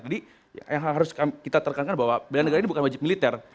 jadi yang harus kita terkankan bahwa bela negara ini bukan wajib militer